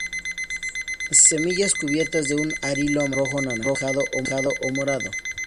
Semillas cubiertas de un arilo amarillo, rojo, anaranjado o morado.